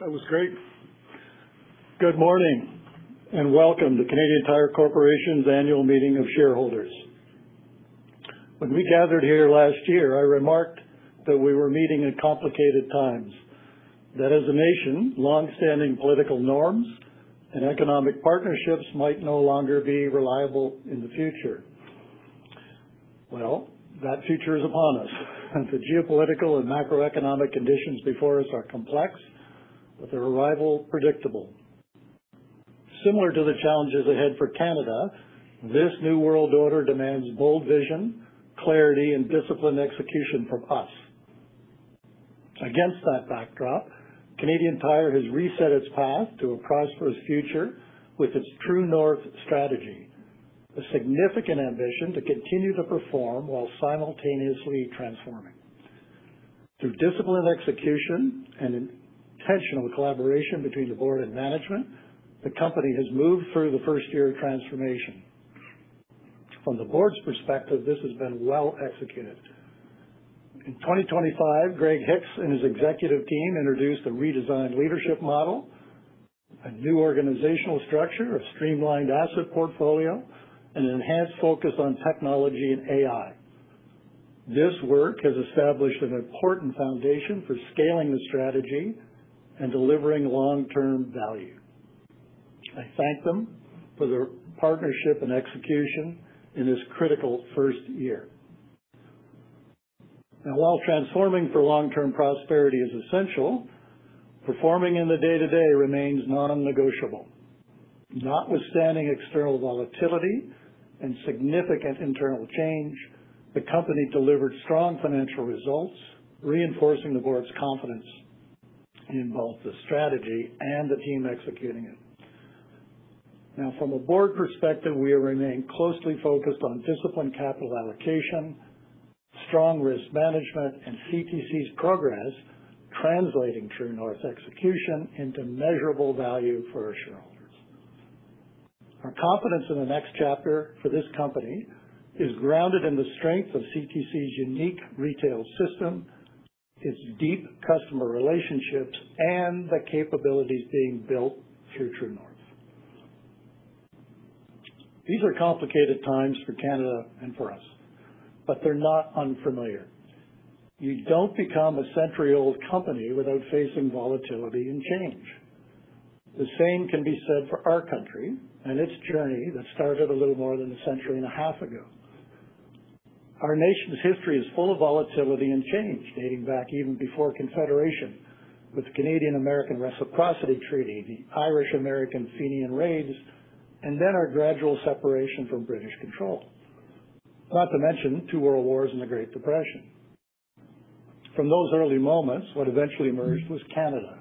That was great. Good morning, and welcome to Canadian Tire Corporation's annual meeting of shareholders. When we gathered here last year, I remarked that we were meeting at complicated times, that as a nation, long-standing political norms and economic partnerships might no longer be reliable in the future. Well, that future is upon us, and the geopolitical and macroeconomic conditions before us are complex, but their arrival predictable. Similar to the challenges ahead for Canada, this new world order demands bold vision, clarity, and disciplined execution from us. Against that backdrop, Canadian Tire has reset its path to a prosperous future with its True North strategy, a significant ambition to continue to perform while simultaneously transforming. Through disciplined execution and intentional collaboration between the board and management, the company has moved through the first year of transformation. From the board's perspective, this has been well-executed. In 2025, Greg Hicks and his executive team introduced a redesigned leadership model, a new organizational structure, a streamlined asset portfolio, and an enhanced focus on technology and AI. This work has established an important foundation for scaling the strategy and delivering long-term value. I thank them for their partnership and execution in this critical first year. While transforming for long-term prosperity is essential, performing in the day-to-day remains non-negotiable. Notwithstanding external volatility and significant internal change, the company delivered strong financial results, reinforcing the board's confidence in both the strategy and the team executing it. From a board perspective, we remain closely focused on disciplined capital allocation, strong risk management, and CTC's progress translating True North execution into measurable value for our shareholders. Our confidence in the next chapter for this company is grounded in the strength of CTC's unique retail system, its deep customer relationships, and the capabilities being built through True North. These are complicated times for Canada and for us, but they're not unfamiliar. You don't become a century-old company without facing volatility and change. The same can be said for our country and its journey that started a little more than a century and a half ago. Our nation's history is full of volatility and change dating back even before Confederation with the Canadian-American Reciprocity Treaty, the Irish-American Fenian raids, and then our gradual separation from British control. Not to mention two world wars and the Great Depression. From those early moments, what eventually emerged was Canada,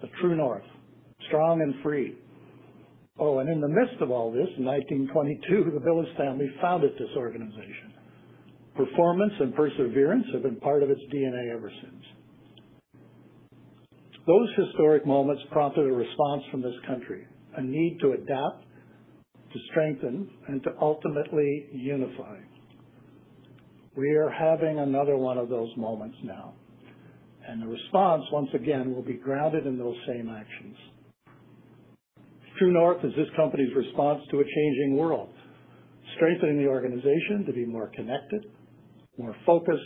the True North, strong and free. Oh, in the midst of all this, in 1922, the Billes family founded this organization. Performance and perseverance have been part of its DNA ever since. Those historic moments prompted a response from this country, a need to adapt, to strengthen, and to ultimately unify. We are having another one of those moments now, and the response, once again, will be grounded in those same actions. True North is this company's response to a changing world, strengthening the organization to be more connected, more focused,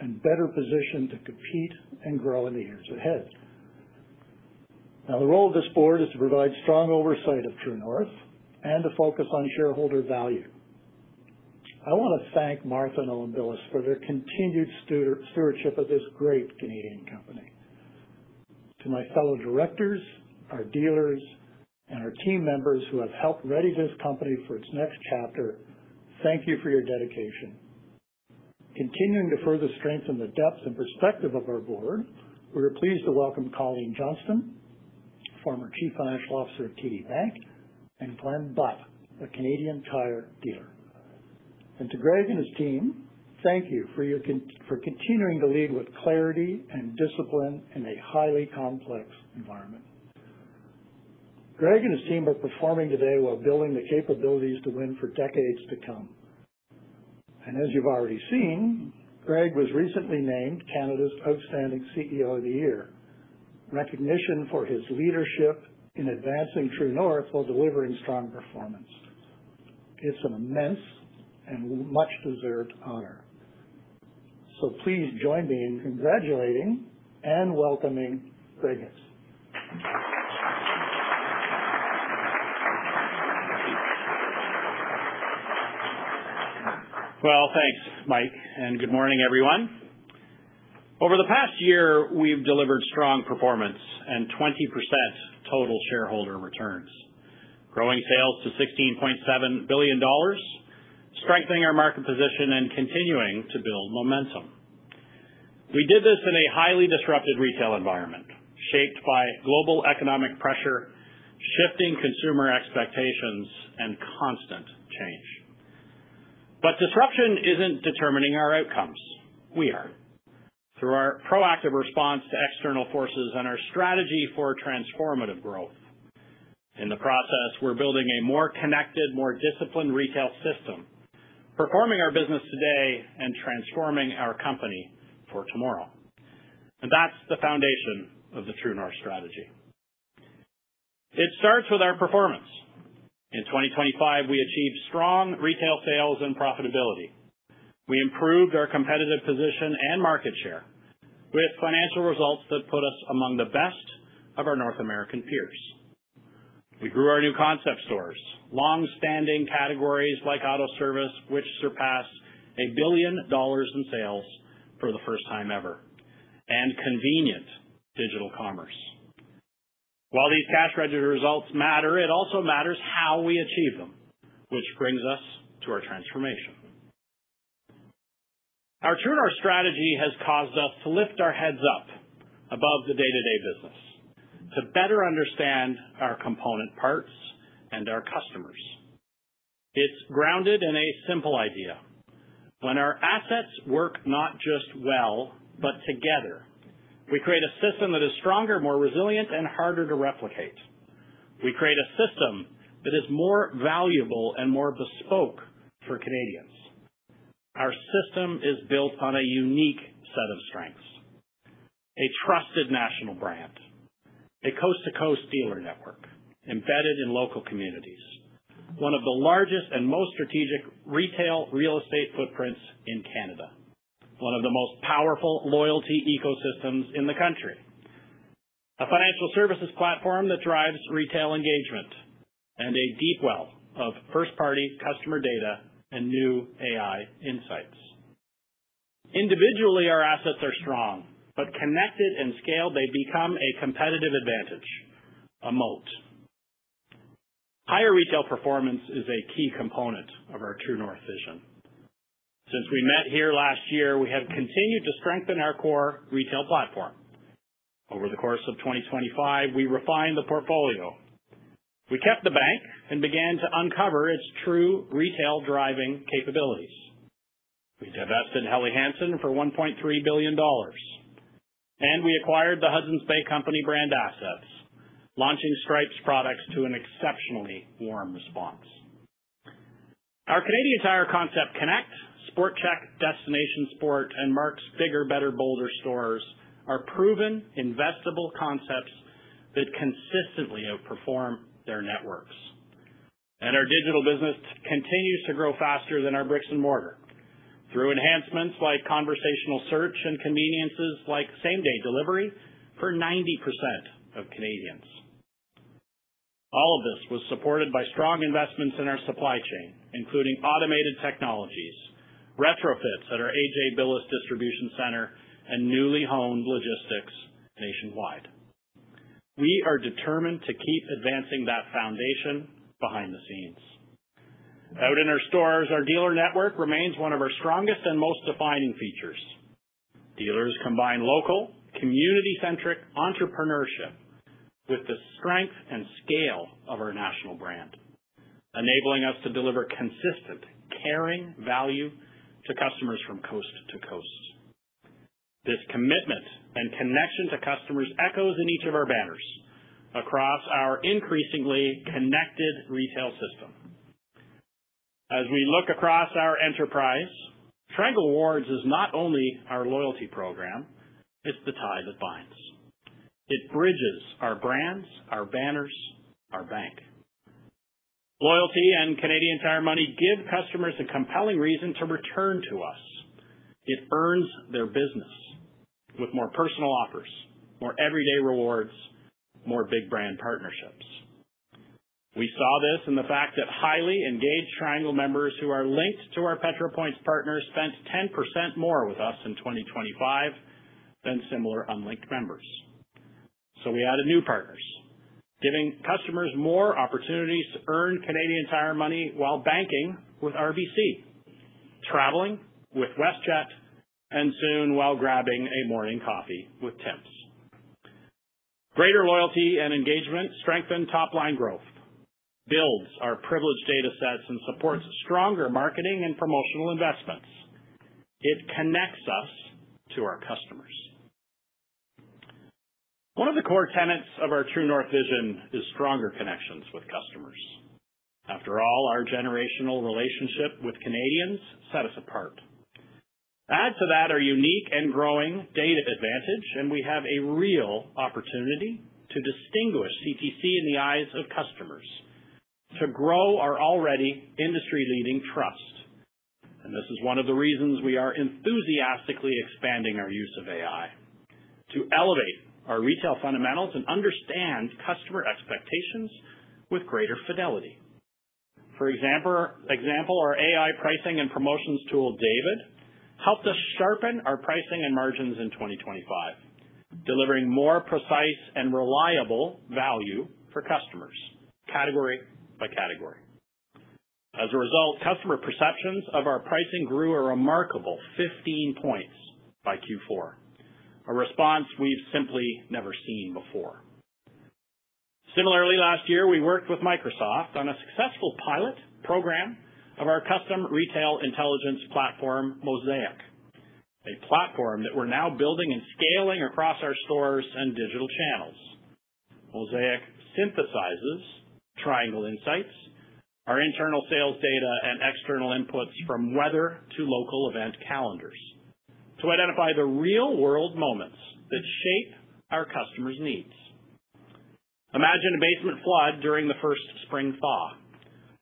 and better positioned to compete and grow in the years ahead. The role of this board is to provide strong oversight of True North and to focus on shareholder value. I wanna thank Martha and Owen Billes for their continued stewardship of this great Canadian company. To my fellow directors, our dealers, and our team members who have helped ready this company for its next chapter, thank you for your dedication. Continuing to further strengthen the depth and perspective of our board, we are pleased to welcome Colleen Johnston, former Chief Financial Officer of TD Bank, and Glenn Butt, a Canadian Tire dealer. To Greg and his team, thank you for continuing to lead with clarity and discipline in a highly complex environment. Greg and his team are performing today while building the capabilities to win for decades to come. As you've already seen, Greg was recently named Canada's Outstanding CEO of the Year, recognition for his leadership in advancing True North while delivering strong performance. It's an immense and much deserved honor. Please join me in congratulating and welcoming Greg Hicks. Well, thanks, Mike. Good morning, everyone. Over the past year, we've delivered strong performance and 20% total shareholder returns, growing sales to 16.7 billion dollars, strengthening our market position, and continuing to build momentum. We did this in a highly disrupted retail environment shaped by global economic pressure, shifting consumer expectations, and constant change. Disruption isn't determining our outcomes, we are. Through our proactive response to external forces and our strategy for transformative growth. In the process, we're building a more connected, more disciplined retail system, performing our business today and transforming our company for tomorrow. That's the foundation of the True North strategy. It starts with our performance. In 2025, we achieved strong retail sales and profitability. We improved our competitive position and market share with financial results that put us among the best of our North American peers. We grew our new concept stores, long-standing categories like auto service, which surpassed 1 billion dollars in sales for the first time ever, and convenient digital commerce. While these cash register results matter, it also matters how we achieve them, which brings us to our transformation. Our True North strategy has caused us to lift our heads up above the day-to-day business to better understand our component parts and our customers. It's grounded in a simple idea. When our assets work not just well, but together, we create a system that is stronger, more resilient, and harder to replicate. We create a system that is more valuable and more bespoke for Canadians. Our system is built on a unique set of strengths, a trusted national brand, a coast-to-coast dealer network embedded in local communities, one of the largest and most strategic retail real estate footprints in Canada, one of the most powerful loyalty ecosystems in the country, a financial services platform that drives retail engagement, and a deep well of first-party customer data and new AI insights. Individually, our assets are strong, but connected and scaled, they become a competitive advantage, a moat. Higher retail performance is a key component of our True North vision. Since we met here last year, we have continued to strengthen our core retail platform. Over the course of 2025, we refined the portfolio. We kept the bank and began to uncover its true retail-driving capabilities. We divested Helly Hansen for 1.3 billion dollars, we acquired the Hudson's Bay Company brand assets, launching Stripes products to an exceptionally warm response. Our Canadian Tire Concept Connect, Sport Chek, Destination Sport, and Mark's bigger, better, bolder stores are proven, investable concepts that consistently outperform their networks. Our digital business continues to grow faster than our bricks and mortar through enhancements like conversational search and conveniences like same-day delivery for 90% of Canadians. All of this was supported by strong investments in our supply chain, including automated technologies, retrofits at our A.J. Billes Distribution Center, and newly honed logistics nationwide. We are determined to keep advancing that foundation behind the scenes. Out in our stores, our dealer network remains one of our strongest and most defining features. Dealers combine local, community-centric entrepreneurship with the strength and scale of our national brand, enabling us to deliver consistent, caring value to customers from coast to coast. This commitment and connection to customers echoes in each of our banners across our increasingly connected retail system. As we look across our enterprise, Triangle Rewards is not only our loyalty program, it's the tie that binds. It bridges our brands, our banners, our bank. Loyalty and Canadian Tire Money give customers a compelling reason to return to us. It earns their business with more personal offers, more everyday rewards, more big brand partnerships. We saw this in the fact that highly engaged Triangle members who are linked to our Petro-Points partners spent 10% more with us in 2025 than similar unlinked members. We added new partners, giving customers more opportunities to earn Canadian Tire Money while banking with RBC, traveling with WestJet, and soon while grabbing a morning coffee with Tim's. Greater loyalty and engagement strengthen top-line growth, builds our privileged data sets, and supports stronger marketing and promotional investments. It connects us to our customers. One of the core tenets of our True North vision is stronger connections with customers. After all, our generational relationship with Canadians set us apart. Add to that our unique and growing data advantage, and we have a real opportunity to distinguish CTC in the eyes of customers, to grow our already industry-leading trust. This is one of the reasons we are enthusiastically expanding our use of AI, to elevate our retail fundamentals and understand customer expectations with greater fidelity. For example, our AI pricing and promotions tool, David, helped us sharpen our pricing and margins in 2025, delivering more precise and reliable value for customers, category by category. Customer perceptions of our pricing grew a remarkable 15 points by Q4, a response we've simply never seen before. Similarly, last year, we worked with Microsoft on a successful pilot program of our custom retail intelligence platform, Mosaic, a platform that we're now building and scaling across our stores and digital channels. Mosaic synthesizes Triangle Insights, our internal sales data, and external inputs from weather to local event calendars to identify the real-world moments that shape our customers' needs. Imagine a basement flood during the first spring thaw,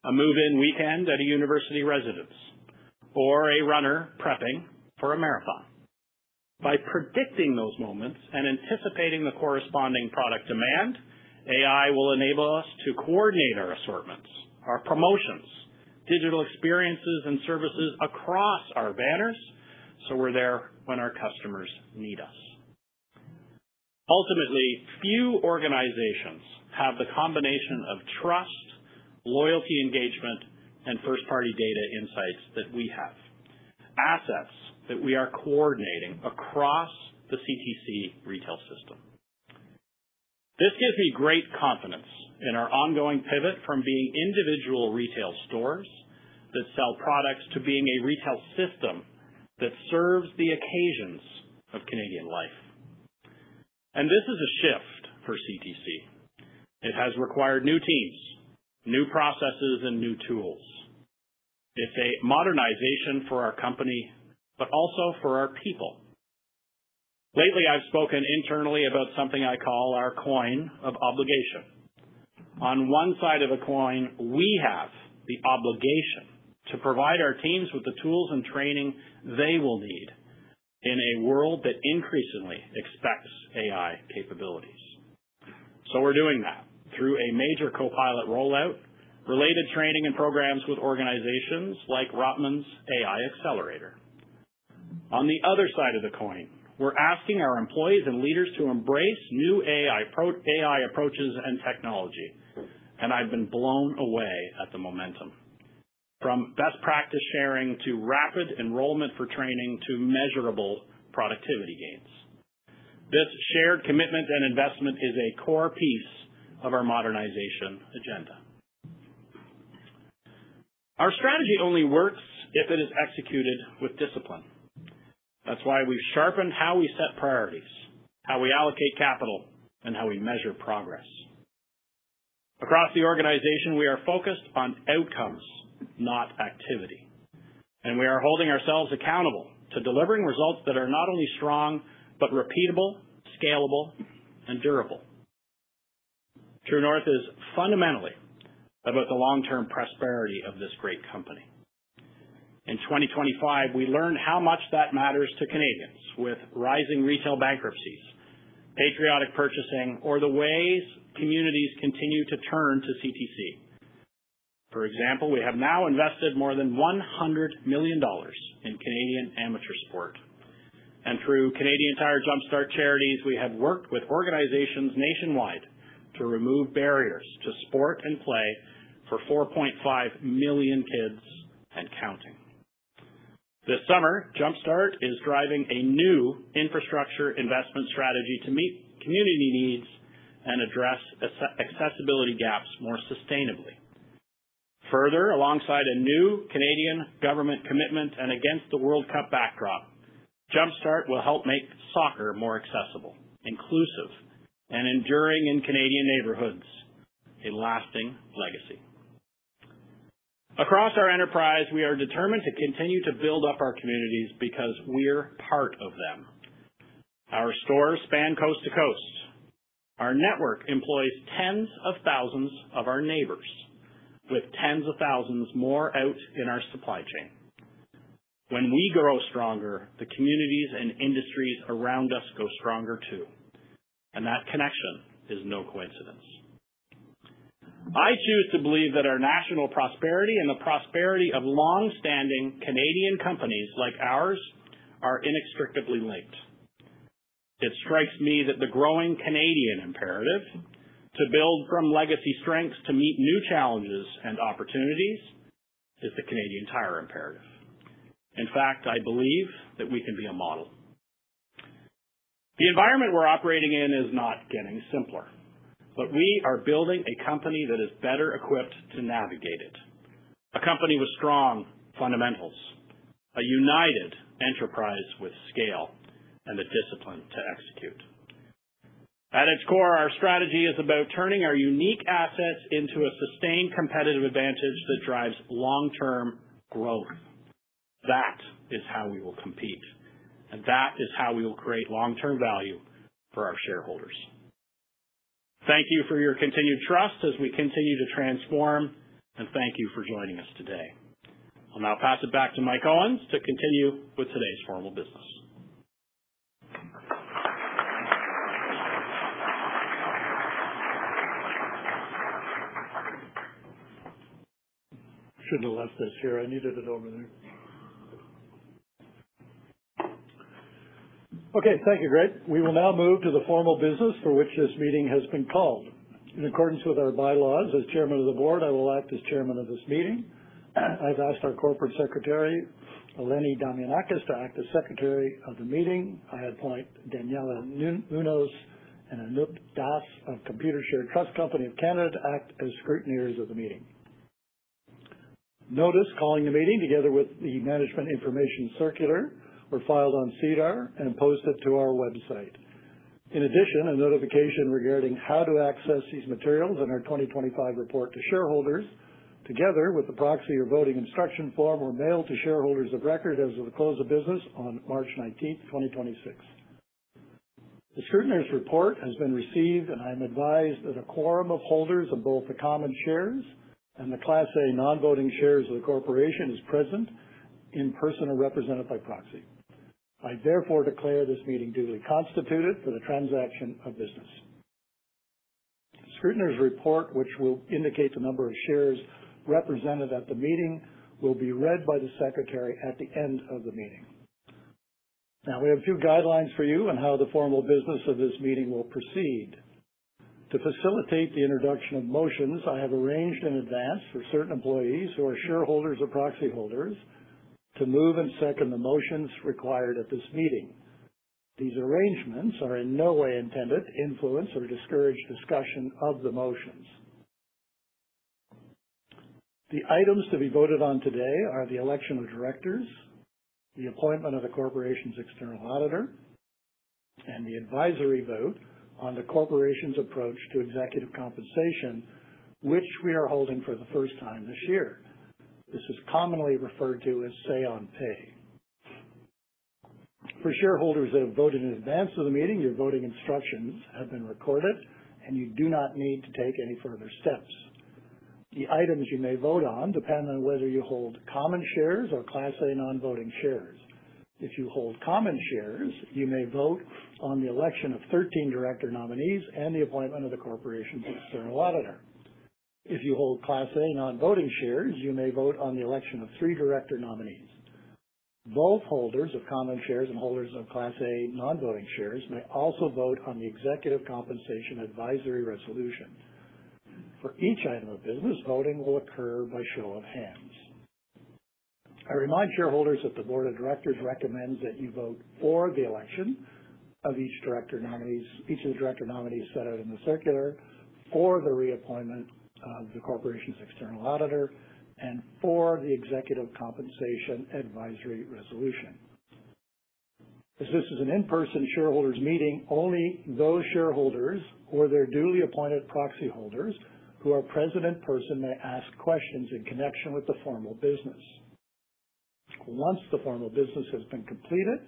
a move-in weekend at a university residence, or a runner prepping for a marathon. By predicting those moments and anticipating the corresponding product demand, AI will enable us to coordinate our assortments, our promotions, digital experiences and services across our banners, so we're there when our customers need us. Ultimately, few organizations have the combination of trust, loyalty engagement, and first-party data insights that we have, assets that we are coordinating across the CTC retail system. This gives me great confidence in our ongoing pivot from being individual retail stores that sell products to being a retail system that serves the occasions of Canadian life. This is a shift for CTC. It has required new teams, new processes, and new tools. It's a modernization for our company, but also for our people. Lately, I've spoken internally about something I call our coin of obligation. On one side of the coin, we have the obligation to provide our teams with the tools and training they will need in a world that increasingly expects AI capabilities. We're doing that through a major Copilot rollout, related training and programs with organizations like Rotman's AI Accelerator. On the other side of the coin, we're asking our employees and leaders to embrace new AI approaches and technology, and I've been blown away at the momentum, from best practice sharing to rapid enrollment for training to measurable productivity gains. This shared commitment and investment is a core piece of our modernization agenda. Our strategy only works if it is executed with discipline. That's why we've sharpened how we set priorities, how we allocate capital, and how we measure progress. Across the organization, we are focused on outcomes, not activity, and we are holding ourselves accountable to delivering results that are not only strong, but repeatable, scalable, and durable. True North is fundamentally about the long-term prosperity of this great company. In 2025, we learned how much that matters to Canadians with rising retail bankruptcies, patriotic purchasing, or the ways communities continue to turn to CTC. For example, we have now invested more than 100 million dollars in Canadian amateur sport. Through Canadian Tire Jumpstart Charities, we have worked with organizations nationwide to remove barriers to sport and play for 4.5 million kids and counting. This summer, Jumpstart is driving a new infrastructure investment strategy to meet community needs and address accessibility gaps more sustainably. Further, alongside a new Canadian government commitment and against the World Cup backdrop, Jumpstart will help make soccer more accessible, inclusive, and enduring in Canadian neighborhoods, a lasting legacy. Across our enterprise, we are determined to continue to build up our communities because we're part of them. Our stores span coast to coast. Our network employs tens of thousands of our neighbors, with tens of thousands more out in our supply chain. When we grow stronger, the communities and industries around us grow stronger too, and that connection is no coincidence. I choose to believe that our national prosperity and the prosperity of longstanding Canadian companies like ours are inextricably linked. It strikes me that the growing Canadian imperative to build from legacy strengths to meet new challenges and opportunities is the Canadian Tire imperative. In fact, I believe that we can be a model. The environment we're operating in is not getting simpler, but we are building a company that is better equipped to navigate it, a company with strong fundamentals, a united enterprise with scale and the discipline to execute. At its core, our strategy is about turning our unique assets into a sustained competitive advantage that drives long-term growth. That is how we will compete, and that is how we will create long-term value for our shareholders. Thank you for your continued trust as we continue to transform, and thank you for joining us today. I'll now pass it back to Mike Owens to continue with today's formal business. Shouldn't have left this here. I needed it over there. Okay, thank you, Greg. We will now move to the formal business for which this meeting has been called. In accordance with our bylaws, as Chairman of the Board, I will act as chairman of this meeting. I've asked our Corporate Secretary, Eleni Damianakis, to act as secretary of the meeting. I appoint Daniella Munoz and Anup Das of Computershare Trust Company of Canada to act as scrutineers of the meeting. Notice calling the meeting together with the management information circular were filed on SEDAR and posted to our website. A notification regarding how to access these materials in our 2025 report to shareholders, together with the proxy or voting instruction form, were mailed to shareholders of record as of the close of business on March 19th, 2026. The scrutineer's report has been received, and I'm advised that a quorum of holders of both the common shares and the Class A non-voting shares of the corporation is present, in person or represented by proxy. I therefore declare this meeting duly constituted for the transaction of business. Scrutineer's report, which will indicate the number of shares represented at the meeting, will be read by the secretary at the end of the meeting. Now, we have a few guidelines for you on how the formal business of this meeting will proceed. To facilitate the introduction of motions, I have arranged in advance for certain employees who are shareholders or proxy holders to move and second the motions required at this meeting. These arrangements are in no way intended to influence or discourage discussion of the motions. The items to be voted on today are the election of directors, the appointment of the corporation's external auditor, and the advisory vote on the corporation's approach to executive compensation, which we are holding for the first time this year. This is commonly referred to as say on pay. For shareholders that have voted in advance of the meeting, your voting instructions have been recorded, and you do not need to take any further steps. The items you may vote on depend on whether you hold common shares or Class A non-voting shares. If you hold common shares, you may vote on the election of 13 director nominees and the appointment of the corporation's external auditor. If you hold Class A non-voting shares, you may vote on the election of three director nominees. Both holders of common shares and holders of Class A non-voting shares may also vote on the executive compensation advisory resolution. For each item of business, voting will occur by show of hands. I remind shareholders that the board of directors recommends that you vote for the election of each director nominees, each of the director nominees set out in the circular, for the reappointment of the corporation's external auditor, and for the executive compensation advisory resolution. As this is an in-person shareholders meeting, only those shareholders or their duly appointed proxy holders who are present in person may ask questions in connection with the formal business. Once the formal business has been completed,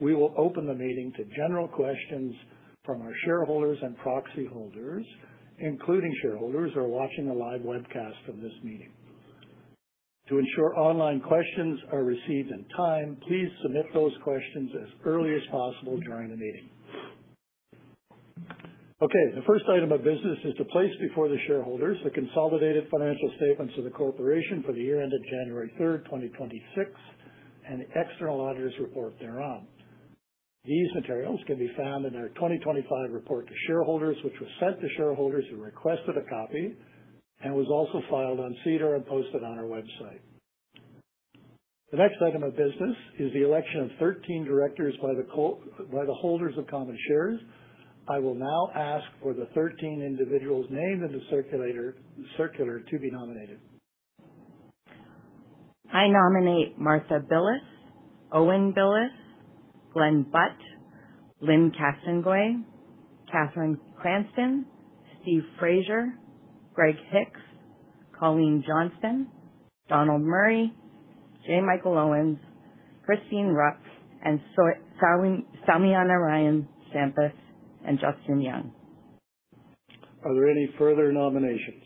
we will open the meeting to general questions from our shareholders and proxy holders, including shareholders who are watching the live webcast of this meeting. To ensure online questions are received in time, please submit those questions as early as possible during the meeting. Okay, the first item of business is to place before the shareholders the consolidated financial statements of the corporation for the year ended January 3rd, 2026, and the external auditor's report thereon. These materials can be found in our 2025 report to shareholders, which was sent to shareholders who requested a copy and was also filed on SEDAR and posted on our website. The next item of business is the election of 13 directors by the holders of common shares. I will now ask for the 13 individuals named in the circular to be nominated. I nominate Martha Billes, Owen Billes, Glenn Butt, Lyne Castonguay, Cathryn Cranston, Steve Frazier, Greg Hicks, Colleen Johnston, Donald Murray, J. Michael Owens, Christine Rupp, and Sowmyanarayan Sampath, and Justin Young. Are there any further nominations?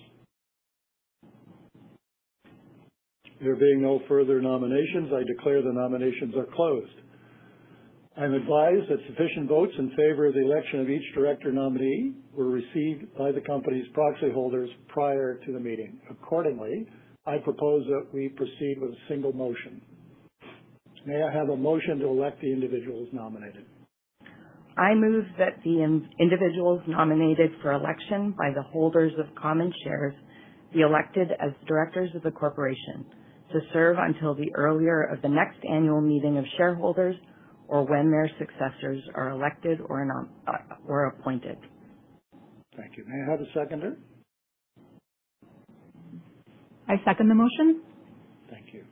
There being no further nominations, I declare the nominations are closed. I'm advised that sufficient votes in favor of the election of each director nominee were received by the company's proxy holders prior to the meeting. Accordingly, I propose that we proceed with a single motion. May I have a motion to elect the individuals nominated? I move that the individuals nominated for election by the holders of common shares be elected as directors of the corporation to serve until the earlier of the next annual meeting of shareholders or when their successors are elected or appointed. Thank you. May I have a seconder? I second the motion. Thank you.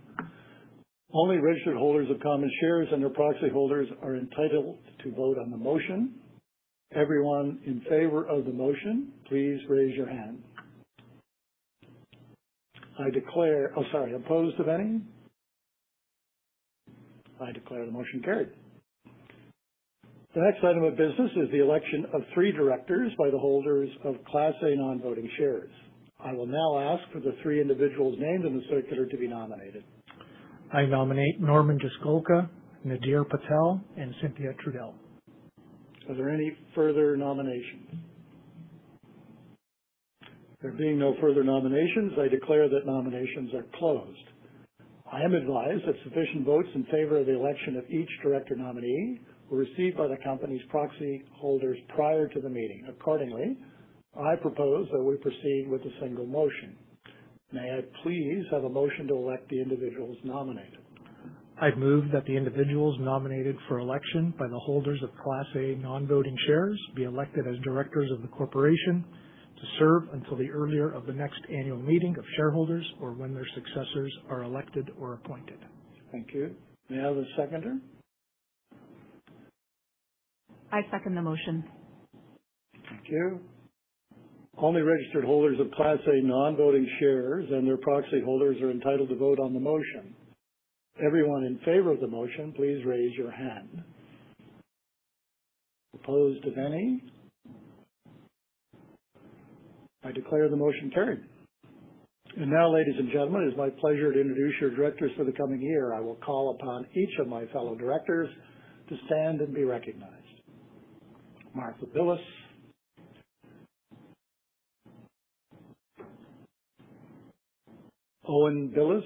Only registered holders of common shares and their proxy holders are entitled to vote on the motion. Everyone in favor of the motion, please raise your hand. I declare. Oh, sorry. Opposed, if any. I declare the motion carried. The next item of business is the election of three directors by the holders of Class A non-voting shares. I will now ask for the three individuals named in the circular to be nominated. I nominate Norman Jaskolka, Nadir Patel, and Cynthia Trudell. Are there any further nominations? There being no further nominations, I declare that nominations are closed. I am advised that sufficient votes in favor of the election of each director nominee were received by the company's proxy holders prior to the meeting. Accordingly, I propose that we proceed with a single motion. May I please have a motion to elect the individuals nominated? I move that the individuals nominated for election by the holders of Class A non-voting shares be elected as directors of the corporation to serve until the earlier of the next annual meeting of shareholders or when their successors are elected or appointed. Thank you. May I have a seconder? I second the motion. Thank you. Only registered holders of Class A non-voting shares and their proxy holders are entitled to vote on the motion. Everyone in favor of the motion, please raise your hand. Opposed, if any? I declare the motion carried. Now, ladies and gentlemen, it is my pleasure to introduce your directors for the coming year. I will call upon each of my fellow directors to stand and be recognized. Martha Billes. Owen Billes.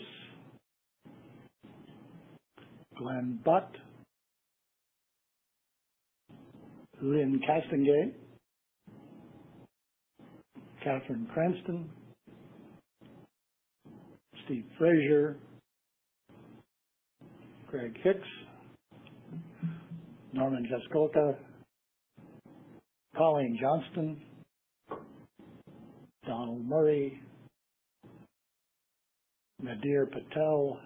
Glenn Butt. Lyne Castonguay. Cathryn Cranston. Steve Frazier. Greg Hicks. Norman Jaskolka. Colleen Johnston. Don Murray. Nadir Patel.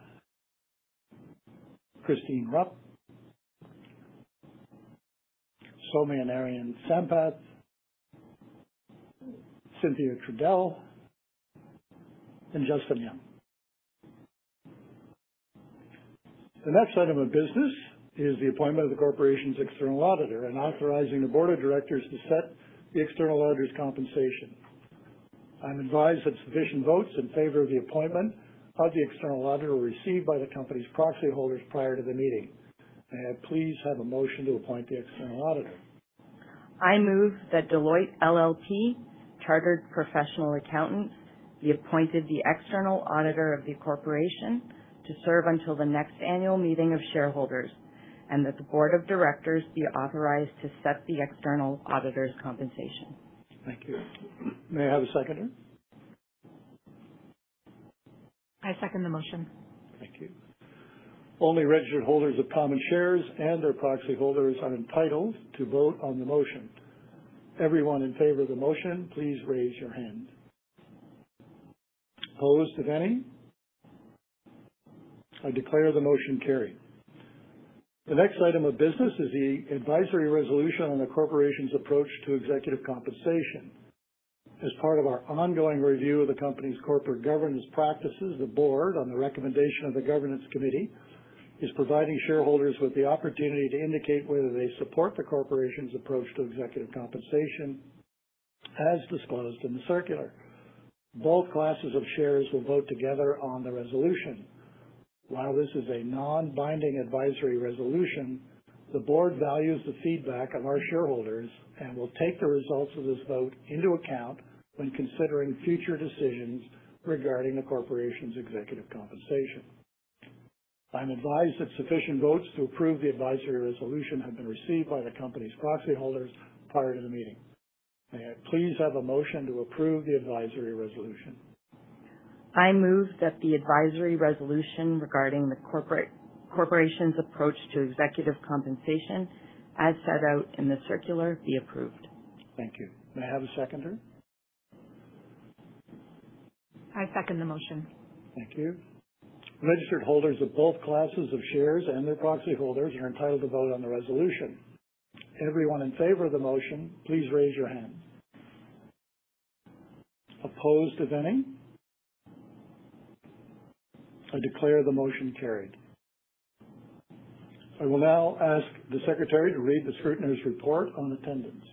Christine Rupp. Sowmyanarayan Sampath. Cynthia Trudell, and Justin Young. The next item of business is the appointment of the corporation's external auditor and authorizing the board of directors to set the external auditor's compensation. I'm advised that sufficient votes in favor of the appointment of the external auditor were received by the company's proxy holders prior to the meeting. May I please have a motion to appoint the external auditor? I move that Deloitte LLP, chartered professional accountant, be appointed the external auditor of the corporation to serve until the next annual meeting of shareholders, and that the board of directors be authorized to set the external auditor's compensation. Thank you. May I have a seconder? I second the motion. Thank you. Only registered holders of common shares and their proxy holders are entitled to vote on the motion. Everyone in favor of the motion, please raise your hand. Opposed, if any? I declare the motion carried. The next item of business is the advisory resolution on the corporation's approach to executive compensation. As part of our ongoing review of the company's corporate governance practices, the board, on the recommendation of the governance committee, is providing shareholders with the opportunity to indicate whether they support the corporation's approach to executive compensation as disclosed in the circular. Both classes of shares will vote together on the resolution. While this is a non-binding advisory resolution, the board values the feedback of our shareholders and will take the results of this vote into account when considering future decisions regarding the corporation's executive compensation. I'm advised that sufficient votes to approve the advisory resolution have been received by the company's proxy holders prior to the meeting. May I please have a motion to approve the advisory resolution? I move that the advisory resolution regarding the corporation's approach to executive compensation as set out in the circular be approved. Thank you. May I have a seconder? I second the motion. Thank you. Registered holders of both classes of shares and their proxy holders are entitled to vote on the resolution. Everyone in favor of the motion, please raise your hand. Opposed, if any? I declare the motion carried. I will now ask the secretary to read the scrutineer's report on attendance.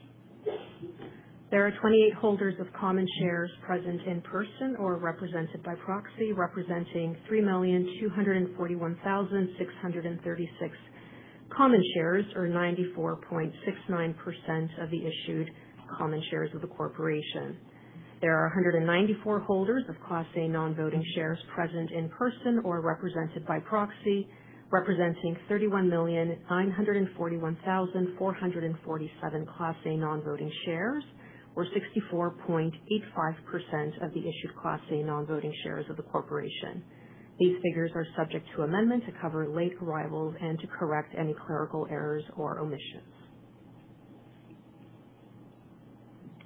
There are 28 holders of common shares present in person or represented by proxy representing 3,241,636 common shares, or 94.69% of the issued common shares of the corporation. There are 194 holders of Class A non-voting shares present in person or represented by proxy representing 31,941,447 Class A non-voting shares, or 64.85% of the issued Class A non-voting shares of the corporation. These figures are subject to amendment to cover late arrivals and to correct any clerical errors or omissions.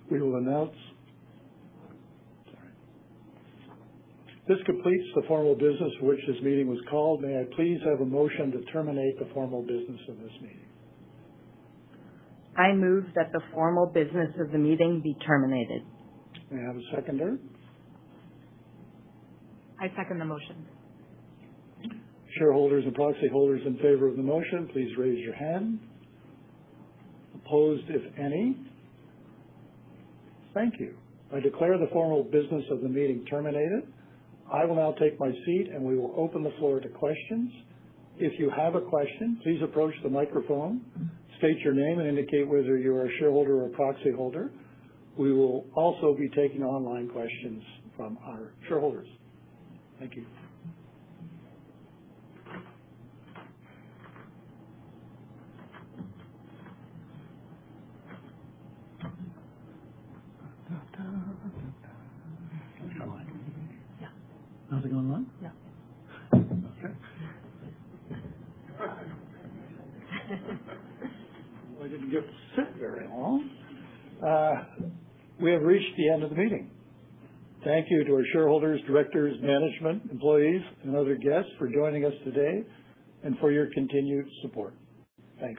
Sorry. This completes the formal business for which this meeting was called. May I please have a motion to terminate the formal business of this meeting. I move that the formal business of the meeting be terminated. May I have a seconder? I second the motion. Shareholders and proxy holders in favor of the motion, please raise your hand. Opposed, if any? Thank you. I declare the formal business of the meeting terminated. I will now take my seat, and we will open the floor to questions. If you have a question, please approach the microphone, state your name, and indicate whether you're a shareholder or proxy holder. We will also be taking online questions from our shareholders. Thank you. Yeah. Nothing online? No. Okay. Well, I didn't get to sit very long. We have reached the end of the meeting. Thank you to our shareholders, directors, management, employees, and other guests for joining us today and for your continued support. Thank you.